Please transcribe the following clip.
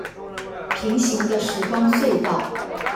平行的時光隧道